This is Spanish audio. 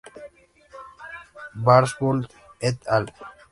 Barsbold "et al.